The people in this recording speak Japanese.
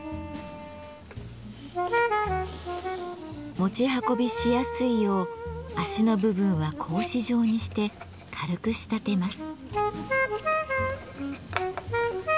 持ち運びしやすいよう脚の部分は格子状にして軽く仕立てます。